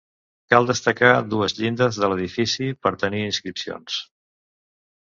Cal destacar dues llindes de l'edifici per tenir inscripcions.